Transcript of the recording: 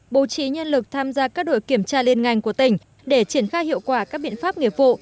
bố trí nhân lực tham gia các đội kiểm tra liên ngành của tỉnh để triển khai hiệu quả các biện pháp nghiệp vụ